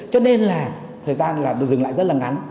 cho nên là thời gian rừng lại rất là ngắn